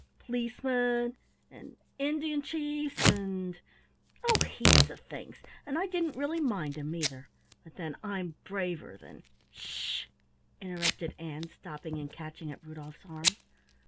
P'licemen and Indian chiefs, and oh, heaps of things, and I didn't really mind 'em, either, but then I'm braver than " "Sh!" interrupted Ann, stopping and catching at Rudolf's arm.